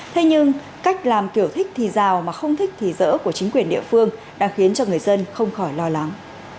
thế nhưng cách làm kiểu thích thì rào mà không thích thì dỡ của chính quyền địa phương đã khiến cho người dân không khỏi lo lắng